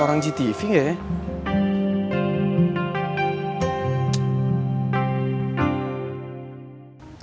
pada saat ini kita sudah berhasil untuk mencari informasi